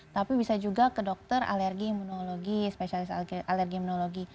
tapi bisa juga ke dokter alergi imunologi spesialis alergi imunologi